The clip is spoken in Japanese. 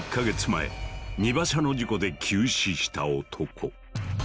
前荷馬車の事故で急死した男。